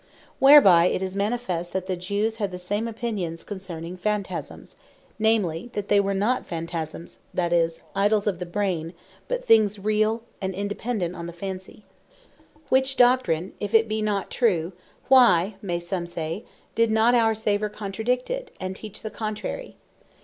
Whereby it is manifest, that the Jewes had the same opinions concerning Phantasmes, namely, that they were not Phantasmes that is, Idols of the braine, but things reall, and independent on the Fancy. Why Our Saviour Controlled It Not Which doctrine if it be not true, why (may some say) did not our Saviour contradict it, and teach the Contrary?